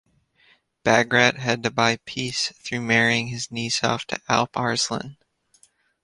Bagrat had to buy peace through marrying his niece off to Alp Arslan.